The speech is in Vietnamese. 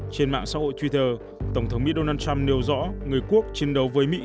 trên mạng xã hội twitter tổng thống mỹ donald trump nêu rõ người quốc chiến đấu với mỹ